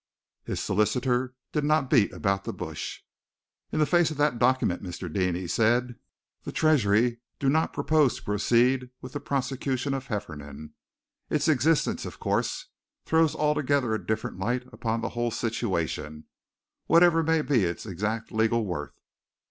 His solicitor did not beat about the bush. "In the face of that document, Mr. Deane," he said, "the Treasury do not propose to proceed with the prosecution of Hefferom. Its existence, of course, throws altogether a different light upon the whole situation, whatever may be its exact legal worth.